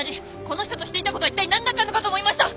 この人としていたことはいったい何だったのかと思いました！